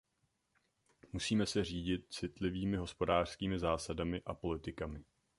Musíme se řídit citlivými hospodářskými zásadami a politikami.